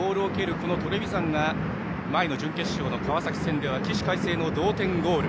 このトレヴィザンが前の準決勝、川崎戦では起死回生の同点ゴール。